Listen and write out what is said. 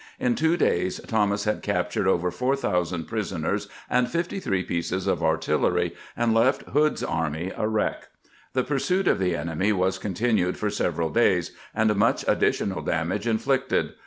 In two days Thomas had captured over 4000 prisoners and 53 pieces of artillery, and left Hood's army a wreck. The pursuit of the enemy was continued for several days, and much additional damage inflicted.